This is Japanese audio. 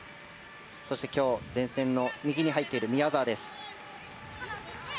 そして今日前線の右に入っている宮澤です。